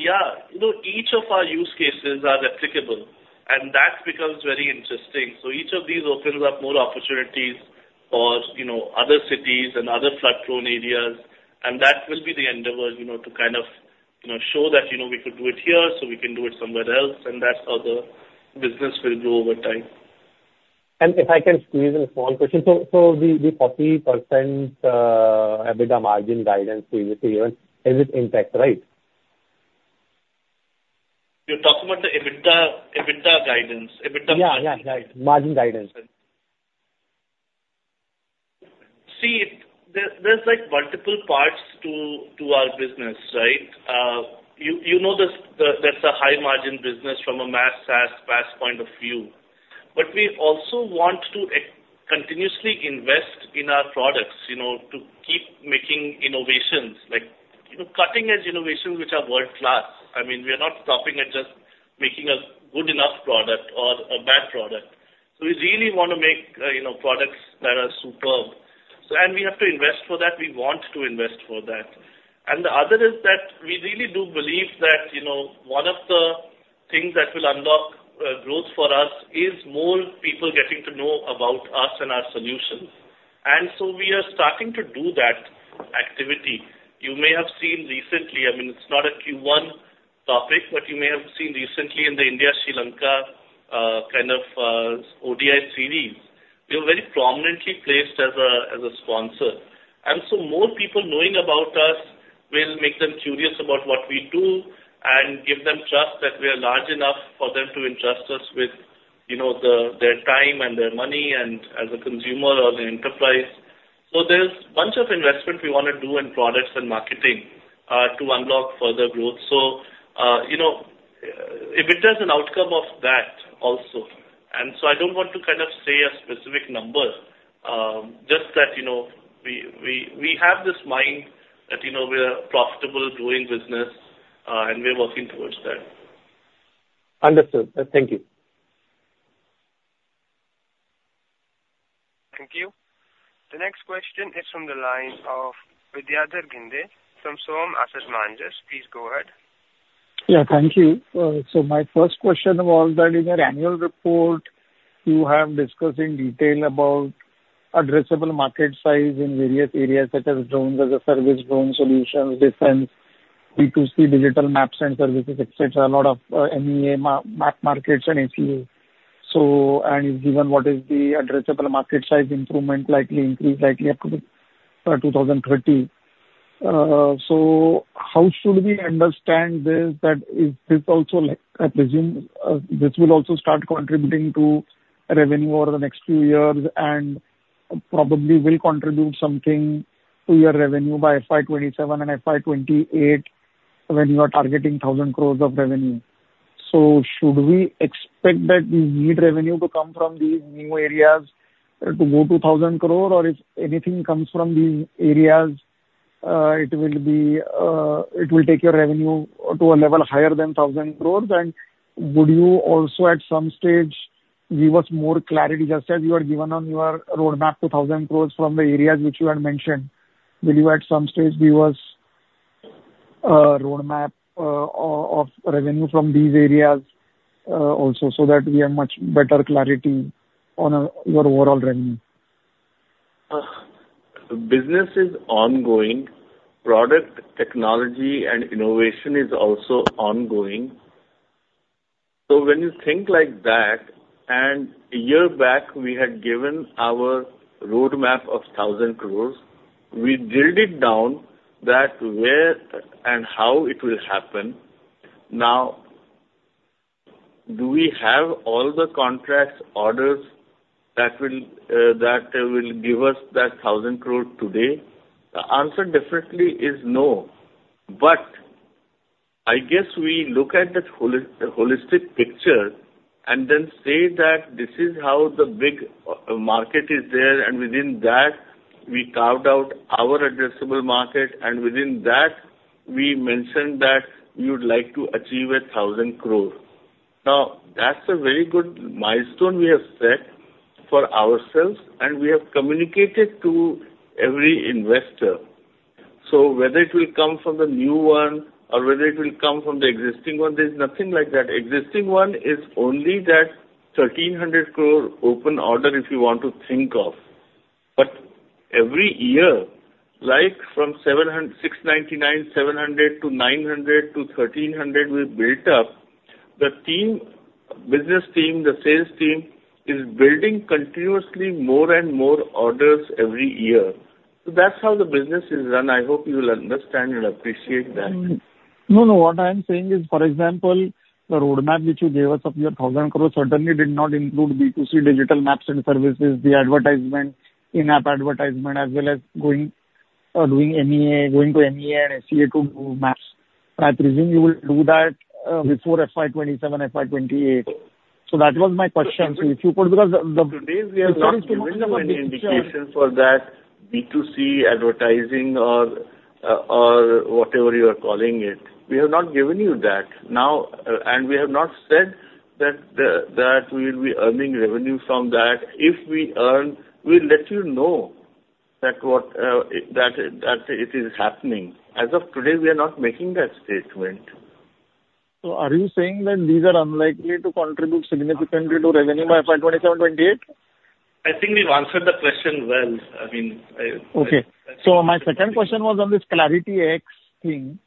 Yeah, you know, each of our use cases are applicable, and that becomes very interesting. So each of these opens up more opportunities for, you know, other cities and other flood-prone areas. And that will be the endeavor, you know, to kind of, you know, show that, you know, we could do it here, so we can do it somewhere else, and that's how the business will grow over time. If I can squeeze in a small question. So, the 40% EBITDA margin guidance previous to you, is it intact, right? You're talking about the EBITDA, EBITDA guidance? EBITDA- Yeah, yeah, right. Margin guidance. See, there, there's like multiple parts to our business, right? You know, that's a high margin business from a maps SaaS, PaaS point of view. But we also want to continuously invest in our products, you know, to keep making innovations like, you know, cutting-edge innovations, which are world-class. I mean, we are not stopping at just making a good enough product or a bad product. So we really want to make, you know, products that are superb. So. And we have to invest for that, we want to invest for that. And the other is that we really do believe that, you know, one of the things that will unlock growth for us is more people getting to know about us and our solutions. And so we are starting to do that activity. You may have seen recently. I mean, it's not a Q1 topic, but you may have seen recently in the India, Sri Lanka kind of ODI series, we are very prominently placed as a sponsor. And so more people knowing about us will make them curious about what we do and give them trust that we are large enough for them to entrust us with, you know, the their time and their money and as a consumer or the enterprise. So there's a bunch of investment we wanna do in products and marketing to unlock further growth. So, you know, EBITDA is an outcome of that also. And so I don't want to kind of say a specific number, just that, you know, we, we, we have this mind that, you know, we are profitable doing business, and we're working towards that. Understood. Thank you. Thank you. The next question is from the line of Vidyadhar Ginde from Som Asset Managers. Please go ahead. Yeah, thank you. So my first question was that in your annual report, you have discussed in detail about addressable market size in various areas, such as drones, as a service, drone solutions, defense, B2C, digital maps and services, et cetera, a lot of, MEA map markets and SEA. So, and given what is the addressable market size improvement, likely increase, likely up to the, 2030. So how should we understand this? That is this also like, I presume, this will also start contributing to revenue over the next few years and probably will contribute something to your revenue by FY 2027 and FY 2028, when you are targeting 1,000 crore of revenue. So should we expect that the said revenue to come from these new areas, to go to 1,000 crore? Or if anything comes from these areas, it will be, it will take your revenue to a level higher than 1,000 crore. And would you also, at some stage, give us more clarity, just as you are given on your roadmap to 1,000 crore from the areas which you had mentioned. Will you, at some stage, give us, roadmap, of revenue from these areas, also, so that we have much better clarity on, your overall revenue? Business is ongoing. Product technology and innovation is also ongoing. So when you think like that, and a year back, we had given our roadmap of 1,000 crore, we drilled it down that where and how it will happen. Now, do we have all the contracts, orders that will, that will give us that 1,000 crore today? The answer definitely is no. But I guess we look at the holistic picture and then say that this is how the big market is there, and within that, we carved out our addressable market, and within that, we mentioned that we would like to achieve a 1,000 crore. Now, that's a very good milestone we have set... for ourselves, and we have communicated to every investor. So whether it will come from the new one or whether it will come from the existing one, there's nothing like that. Existing one is only that 1,300 crore open order, if you want to think of. But every year, like from 699, 700 to 900 to 1,300, we built up. The team, business team, the sales team, is building continuously more and more orders every year. So that's how the business is run. I hope you will understand and appreciate that. No, no. What I am saying is, for example, the roadmap which you gave us of your 1,000 crore certainly did not include B2C digital maps and services, the advertisement, in-app advertisement, as well as going or doing MEA, going to MEA and SEA to do maps. I presume you will do that before FY 2027, FY 2028. So that was my question. So if you could, because the- Today, we have not given any indication for that B2C advertising or, or whatever you are calling it. We have not given you that. Now, and we have not said that the, that we will be earning revenue from that. If we earn, we'll let you know that what, it, that, that it is happening. As of today, we are not making that statement. So are you saying that these are unlikely to contribute significantly to revenue by FY 2027, 2028? I think we've answered the question well. I mean, I- Okay. So my second question was on this ClarityX thing.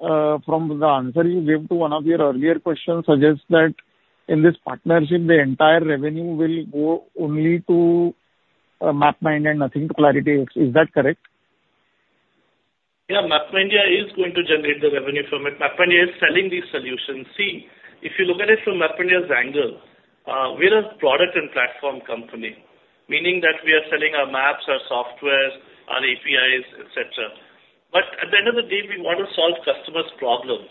From the answer you gave to one of your earlier questions, suggests that in this partnership, the entire revenue will go only to, MapmyIndia, and nothing to ClarityX. Is that correct? Yeah. MapmyIndia is going to generate the revenue from it. MapmyIndia is selling these solutions. See, if you look at it from MapmyIndia's angle, we're a product and platform company, meaning that we are selling our maps, our softwares, our APIs, et cetera. But at the end of the day, we want to solve customers' problems.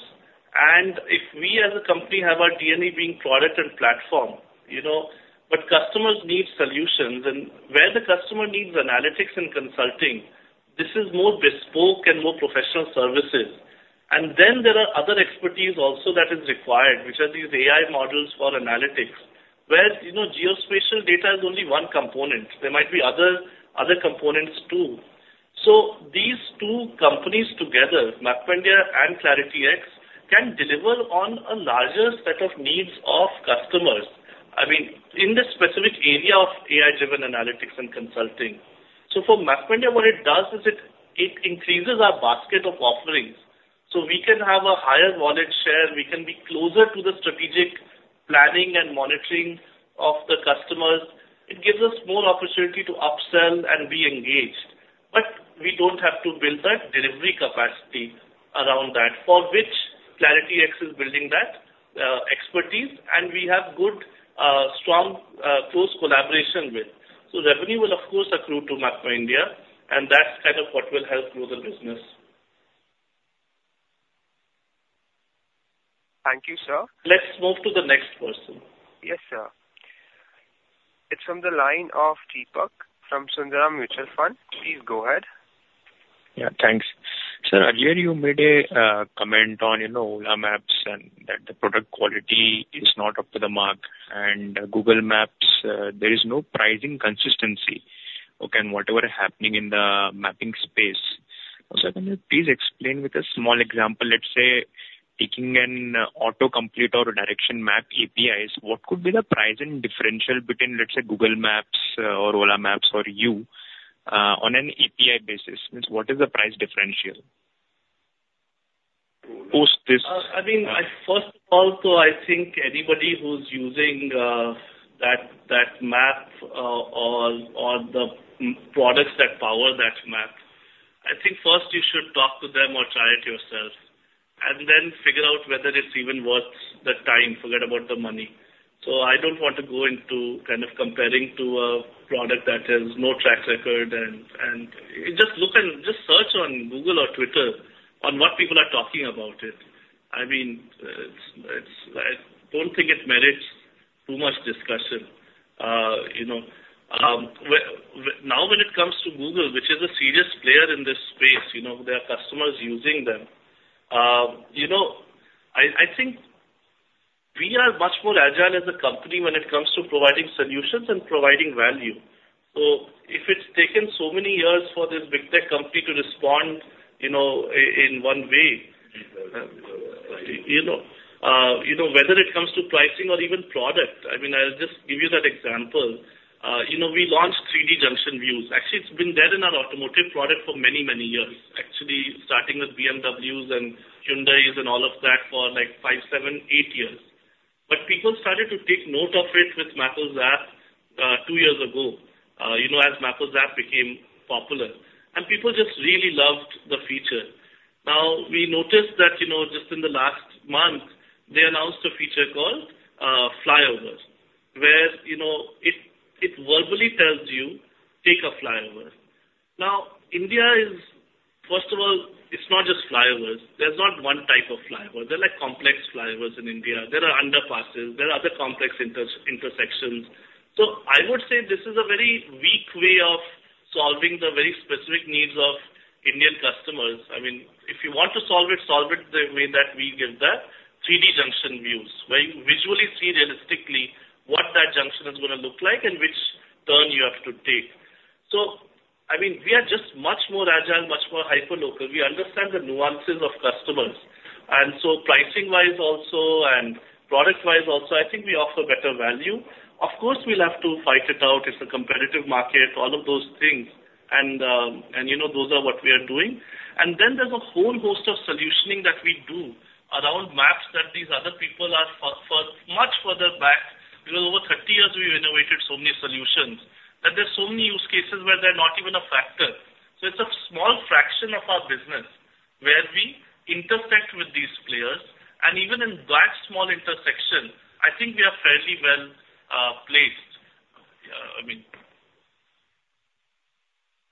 And if we, as a company, have our DNA being product and platform, you know, but customers need solutions. And where the customer needs analytics and consulting, this is more bespoke and more professional services. And then there are other expertise also that is required, which are these AI models for analytics, where, you know, geospatial data is only one component. There might be other, other components, too. So these two companies together, MapmyIndia and ClarityX, can deliver on a larger set of needs of customers, I mean, in the specific area of AI-driven analytics and consulting. So for MapmyIndia, what it does is it, it increases our basket of offerings, so we can have a higher wallet share, and we can be closer to the strategic planning and monitoring of the customers. It gives us more opportunity to upsell and be engaged, but we don't have to build that delivery capacity around that, for which ClarityX is building that, expertise, and we have good, strong, close collaboration with. So revenue will of course accrue to MapmyIndia, and that's kind of what will help grow the business. Thank you, sir. Let's move to the next person. Yes, sir. It's from the line of Deepak from Sundaram Mutual Fund. Please go ahead. Yeah, thanks. Sir, earlier you made a comment on, you know, Ola Maps and that the product quality is not up to the mark, and Google Maps, there is no pricing consistency. Okay, and whatever is happening in the mapping space. So can you please explain with a small example, let's say, taking an auto-complete or a direction map APIs, what could be the pricing differential between, let's say, Google Maps, or Ola Maps or you, on an API basis? I mean, what is the price differential? Post this- I mean, I first of all, so I think anybody who's using that map or the m- products that power that map, I think first you should talk to them or try it yourself, and then figure out whether it's even worth the time, forget about the money. So I don't want to go into kind of comparing to a product that has no track record and... Just look and just search on Google or Twitter on what people are talking about it. I mean, it's-- I don't think it merits too much discussion. You know, now, when it comes to Google, which is a serious player in this space, you know, there are customers using them. You know, I think we are much more agile as a company when it comes to providing solutions and providing value. So if it's taken so many years for this big tech company to respond, you know, in one way, you know, whether it comes to pricing or even product, I mean, I'll just give you that example. You know, we launched 3D junction views. Actually, it's been there in our automotive product for many, many years, actually starting with BMWs and Hyundais and all of that for, like, 5, 7, 8 years. But people started to take note of it with Mappls app 2 years ago, you know, as Mappls app became popular, and people just really loved the feature. Now, we noticed that, you know, just in the last month, they announced a feature called Flyovers, where, you know, it verbally tells you, "Take a flyover." Now, India is. First of all, it's not just flyovers. There's not one type of flyover. There are, like, complex flyovers in India. There are underpasses. There are other complex intersections. So I would say this is a very weak way of solving the very specific needs of Indian customers in a way that we give the 3D junction views, where you visually see realistically what that junction is going to look like and which turn you have to take. So I mean, we are just much more agile, much more hyperlocal. We understand the nuances of customers, and so pricing wise also and product wise also, I think we offer better value. Of course, we'll have to fight it out. It's a competitive market, all of those things. And, you know, those are what we are doing. And then there's a whole host of solutioning that we do around maps that these other people are far, far, much further back, because over 30 years, we've innovated so many solutions, that there's so many use cases where they're not even a factor. So it's a small fraction of our business where we intersect with these players. And even in that small intersection, I think we are fairly well, placed. I mean.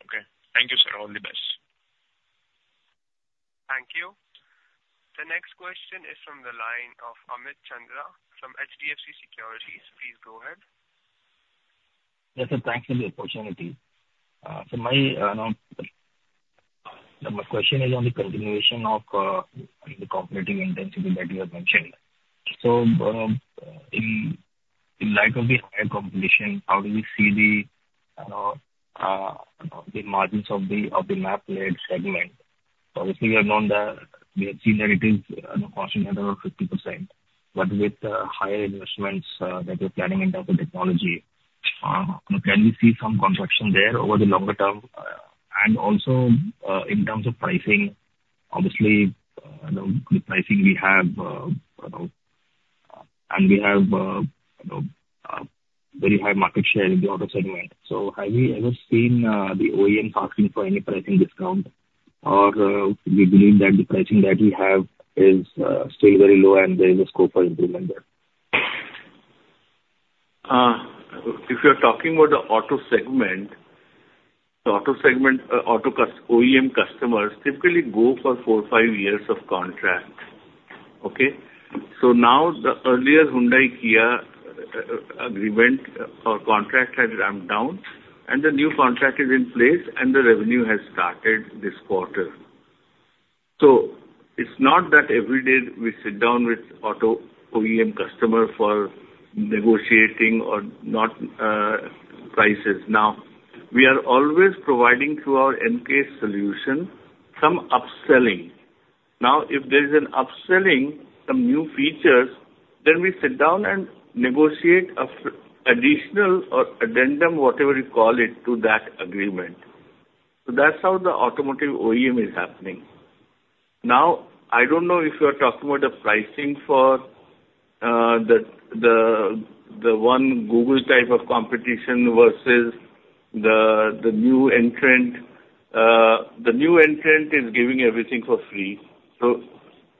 Okay. Thank you, sir. All the best. Thank you. The next question is from the line of Amit Chandra from HDFC Securities. Please go ahead. Yes, sir, thanks for the opportunity. So my question is on the continuation of the competitive intensity that you have mentioned. So, in light of the higher competition, how do you see the margins of the map segment? Obviously, we have known that we have seen that it is around 50%, but with higher investments that you're planning in terms of technology, can we see some contraction there over the longer term? And also, in terms of pricing, obviously the pricing we have, you know, and we have a very high market share in the auto segment. Have we ever seen the OEM asking for any pricing discount, or we believe that the pricing that we have is still very low and there is a scope for improvement there? If you're talking about the auto segment, auto OEM customers typically go for 4-5 years of contract. Okay? So now the earlier Hyundai Kia agreement or contract has ramped down, and the new contract is in place, and the revenue has started this quarter. So it's not that every day we sit down with auto OEM customer for negotiating or not prices. Now, we are always providing through our N-CASE solution, some upselling. Now, if there's an upselling some new features, then we sit down and negotiate an additional or addendum, whatever you call it, to that agreement. So that's how the automotive OEM is happening. Now, I don't know if you are talking about the pricing for the one Google type of competition versus the new entrant. The new entrant is giving everything for free. So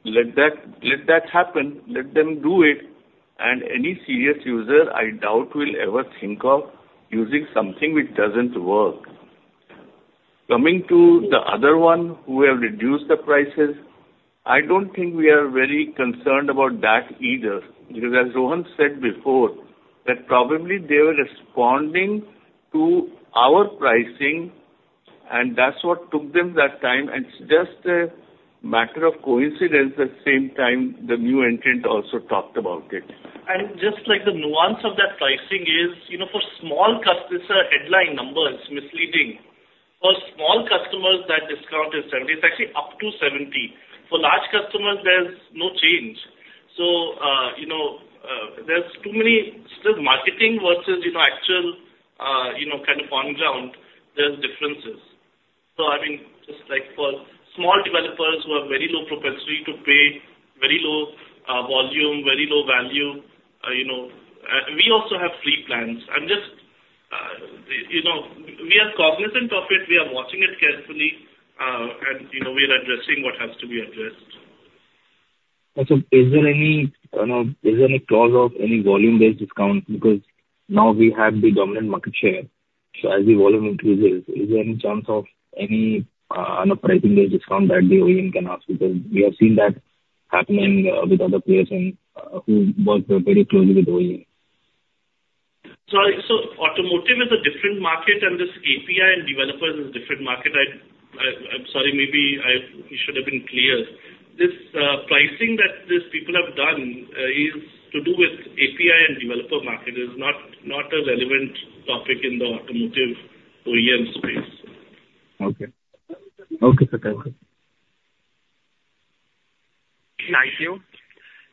let that, let that happen. Let them do it. And any serious user, I doubt, will ever think of using something which doesn't work. Coming to the other one, who have reduced the prices, I don't think we are very concerned about that either, because as Rohan said before, that probably they were responding to our pricing, and that's what took them that time. It's just a matter of coincidence, at the same time, the new entrant also talked about it. Just like the nuance of that pricing is, you know, for small customers, it's a headline number, it's misleading. For small customers, that discount is 70. It's actually up to 70. For large customers, there's no change. So, you know, there's too many still marketing versus, you know, actual, you know, kind of on ground, there's differences. So I mean, just like for small developers who have very low propensity to pay, very low volume, very low value, you know, we also have free plans. I'm just, you know, we are cognizant of it, we are watching it carefully, and, you know, we are addressing what has to be addressed. Also, is there any, is there any clause of any volume-based discount? Because now we have the dominant market share. So as the volume increases, is there any chance of any, on a pricing-based discount that the OEM can ask? Because we have seen that happening, with other players and, who work very closely with OEM. So, automotive is a different market, and this API and developers is a different market. I, I'm sorry, maybe I should have been clear. This pricing that these people have done is to do with API and developer market. It is not a relevant topic in the automotive OEM space. Okay. Okay, sir. Thank you. Thank you.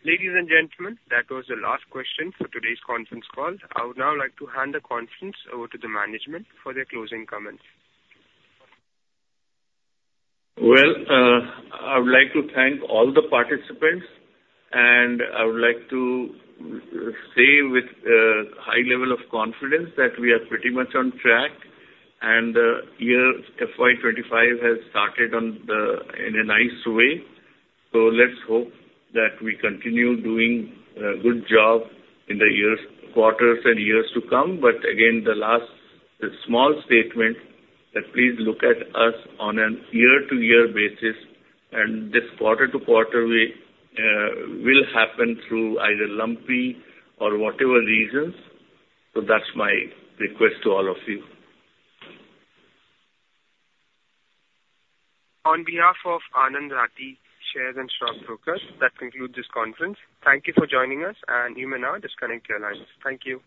Ladies and gentlemen, that was the last question for today's conference call. I would now like to hand the conference over to the management for their closing comments. Well, I would like to thank all the participants, and I would like to say with a high level of confidence that we are pretty much on track, and year FY 25 has started on the... in a nice way. So let's hope that we continue doing a good job in the years, quarters, and years to come. But again, the last small statement that please look at us on a year-over-year basis, and this quarter-over-quarter, we will happen through either lumpy or whatever reasons. So that's my request to all of you. On behalf of Anand Rathi Share and Stock Brokers, that concludes this conference. Thank you for joining us, and you may now disconnect your lines. Thank you.